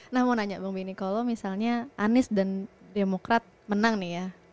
nah mau nanya bang benny kalau misalnya anies dan demokrat menang nih ya